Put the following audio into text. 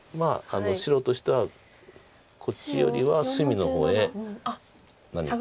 白としてはこっちよりは隅の方へ何か。